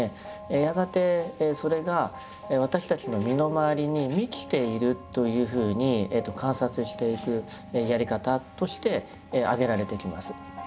やがてそれが私たちの身の回りに満ちているというふうに観察していくやり方として挙げられていきます。